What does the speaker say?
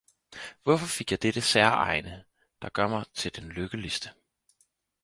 Hvorfor fik jeg dette særegne, der gør mig til den lykkeligste?